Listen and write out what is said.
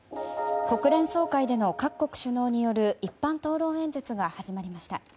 国連総会での各国首脳による一般討論演説が始まりました。